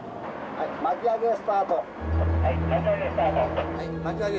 はい巻き上げスタート。